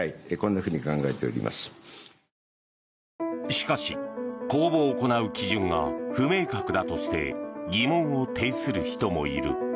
しかし、公募を行う基準が不明確だとして疑問を呈する人もいる。